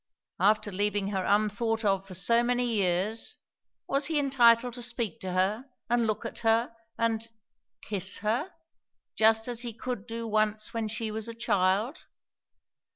After leaving her unthought of for so many years, was he entitled to speak to her and look at her and kiss her, just as he could do once when she was a child?